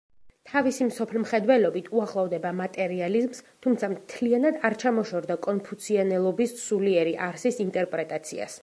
თავისი მსოფლმხედველობით უახლოვდება მატერიალიზმს, თუმცა მთლიანად არ ჩამოშორდა კონფუციანელობის სულიერი არსის ინტერპრეტაციას.